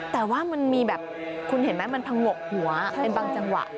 แต่ว่ามันมีแบบคุณเห็นไหมมันพังงกหัวเป็นบางจังหวะ